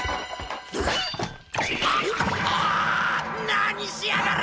何しやがる！